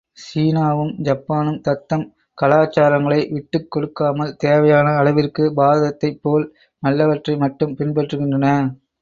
சீனாவும் ஜப்பானும் தத்தம் கலாச்சாரங்களை விட்டுக் கொடுக்காமல் தேவையான அளவிற்குப் பாரதத்தைப் போல் நல்லவற்றை மட்டும் பின்பற்றுகின்றன.